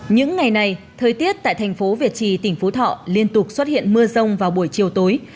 những ngày này thời tiết tại thành phố việt trì tỉnh phú thọ liên tục xuất hiện mưa rông vào buổi chiều tối